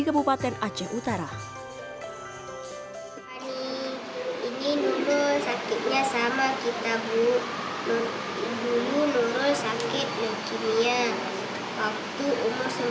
kabupaten aceh utara ini nurul sakitnya sama kita bu ibu nurul sakit leukemia waktu umur